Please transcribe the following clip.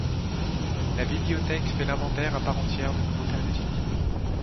La bibliothèque fait l’inventaire à part entière de nouveaux périodiques.